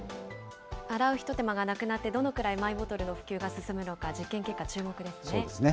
洗うひと手間がなくなって、どのくらいマイボトルの普及が進むのか、実験結果、注目ですね。